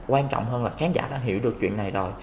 quan trọng hơn là khán giả đã hiểu được chuyện này rồi